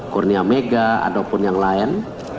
kurnia mega ataupun yang lain